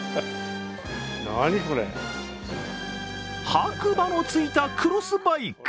白馬のついたクロスバイク。